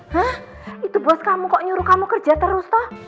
hah itu bos kamu kok nyuruh kamu kerja terus toh